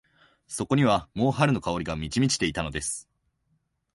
そこにはもう春の香りが満ち満ちていたのです。